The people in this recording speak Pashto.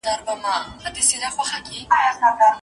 که یو زده کوونکی په املا کي لټي ونه کړي.